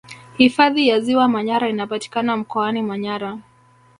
hifadhi ya ziwa manyara inapatikana mkoani manyara